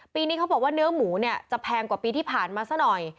ปีนี้เขาบอกว่าเนื้อหมูเนี่ยจะแพงกว่าปีที่ผ่านมาซะหน่อย